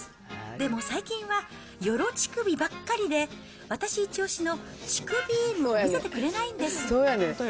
でも最近はヨロチクビばっかりで、私一押しのチクビームを見せてくれないんです。